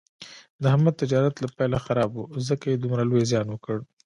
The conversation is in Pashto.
د احمد تجارت له پیله خراب و، ځکه یې دومره لوی زیان وکړ.